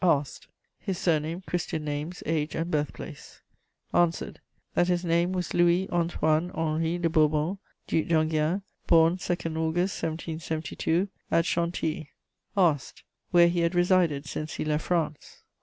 ] Asked: His surname, Christian names, age, and birthplace? Answered: That his name was Louis Antoine Henri de Bourbon, Duc d'Enghien, born 2 August 1772 at Chantilly. Asked: Where he had resided since he left France?